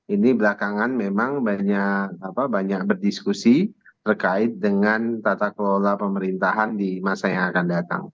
ini belakangan memang banyak berdiskusi terkait dengan tata kelola pemerintahan di masa yang akan datang